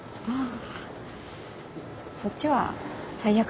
ああ。